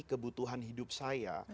kebutuhan hidup saya